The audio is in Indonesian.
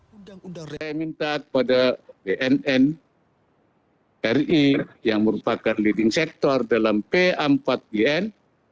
saya minta kepada bnn ri yang merupakan leading sector dalam p empat bn